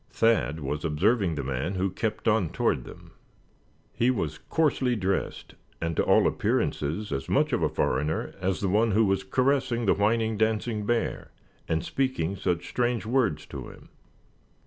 Thad was observing the man who kept on toward them. He was coarsely dressed, and to all appearances as much of a foreigner as the one who was caressing the whining dancing bear, and speaking such strange words to him.